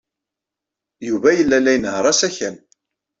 Yuba yella la inehheṛ asakal.